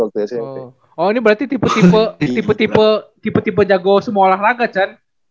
oh ini berarti tipe tipe tipe jago semua olahraga kan